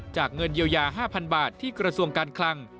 เงินเยียวยา๕๐๐๐บาทที่กระทรวงการคลัง